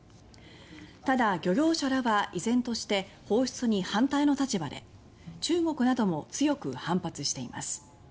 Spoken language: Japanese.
ただ、漁業者らは依然として、放出に反対の立場で中国なども強く反発しています。